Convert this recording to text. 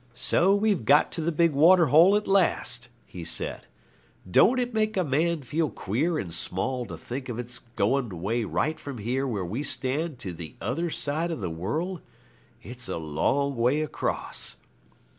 'So we've got to the big waterhole at last,' he said. 'Don't it make a man feel queer and small to think of its going away right from here where we stand to the other side of the world? It's a long way across.'